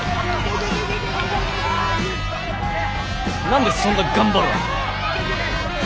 何でそんな頑張るわけ？